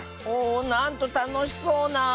おおなんとたのしそうな。